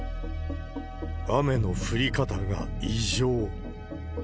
雨の降り方が異常。